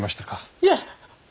いえ！